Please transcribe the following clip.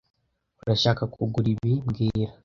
Urashaka kugura ibi mbwira